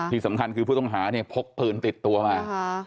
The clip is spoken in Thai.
ที่สำคัญคือผู้ต้องหาเนี่ยพกปืนติดตัวมา